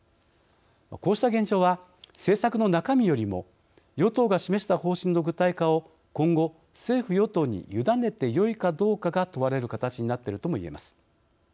こうした現状は政策の中身よりも与党が示した方針の具体化を今後、政府・与党に委ねてよいかどうかが問われる形になっているともいえます。